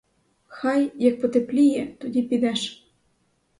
Хай, як потепліє, тоді підеш.